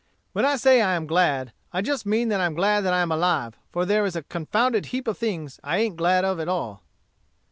When I say I am glad, I just mean that I am glad that I am alive, for there is a confounded heap of things I ain't glad of at all."